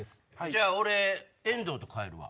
じゃあ俺遠藤と換えるわ。